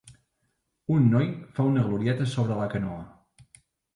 Un noi fa una glorieta sobre la canoa.